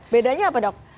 bedanya apa dok